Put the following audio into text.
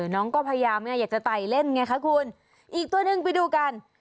น้องก็พยายามอยากจะไต่เล่นไงคะคุณอีกตัวหนึ่งไปดูกัน